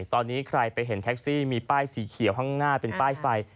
ตอนนี้ใครไปเห็นแท็กซี่มีป้ายสีเขียวข้างหน้าเป็นป้ายไฟ